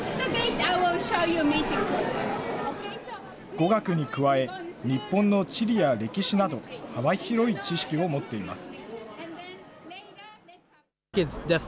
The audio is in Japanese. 語学に加え、日本の地理や歴史など、幅広い知識を持っています。